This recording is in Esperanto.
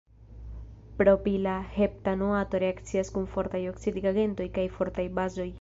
Propila heptanoato reakcias kun fortaj oksidigagentoj kaj fortaj bazoj.